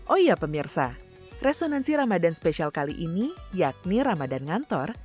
oh iya pemirsa resonansi ramadan spesial kali ini yakni ramadan ngantor